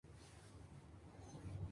Su nombre significa "Mártires de Sadam".